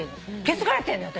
気付かれてんのよ